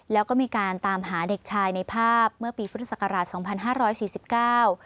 แล้วก็มีการตามหาเด็กชายในภาพเมื่อปีพุทธศักราชสองพันห้าร้อยสี่สิบเก้า